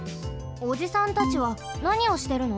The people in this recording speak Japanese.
おじさんたちはなにをしてるの？